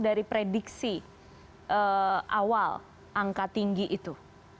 dari prediksi awal angka tinggi itu